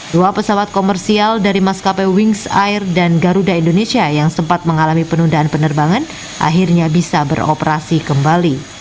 dua pesawat komersial dari maskapai wings air dan garuda indonesia yang sempat mengalami penundaan penerbangan akhirnya bisa beroperasi kembali